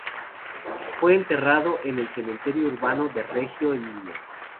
Fue enterrado en el Cementerio Urbano de Reggio Emilia.